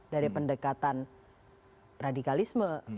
dari pendekatan radikalisme